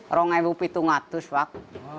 orangnya itu dua ratus wk